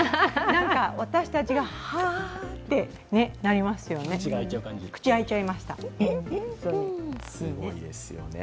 なんか、私たちがハアアてなりますよね。